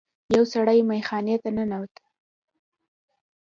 یو سړی میخانې ته ننوت.